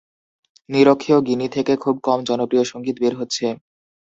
নিরক্ষীয় গিনি থেকে খুব কম জনপ্রিয় সঙ্গীত বের হচ্ছে।